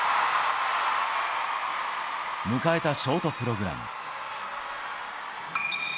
迎えたショートプログラム。